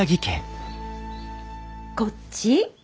こっち？